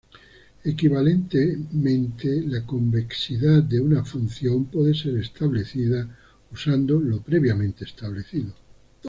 Equivalentemente, la convexidad de una función puede ser establecida usando lo previamente establecido.